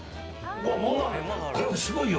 これすごいよ。